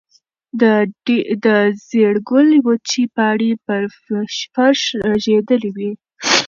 د زېړ ګل وچې پاڼې پر فرش رژېدلې وې.